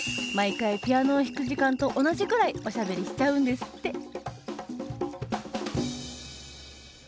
毎回ピアノを弾く時間と同じぐらいおしゃべりしちゃうんですって。